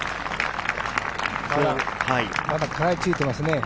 まだくらいついていますね。